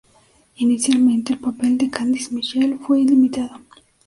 Inicialmente, el papel de Candice Michelle fue limitado.